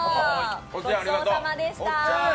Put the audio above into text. ごちそうさまでした。